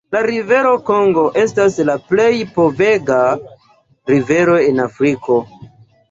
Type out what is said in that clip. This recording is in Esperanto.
La rivero Kongo estas la plej povega rivero en Afriko.